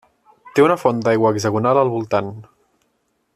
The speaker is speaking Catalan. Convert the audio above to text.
Té una font d'aigua hexagonal al voltant.